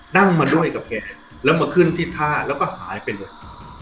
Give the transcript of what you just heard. นั่งมาด้วยกับแกแล้วมาขึ้นที่ท่าแล้วก็หายไปเลย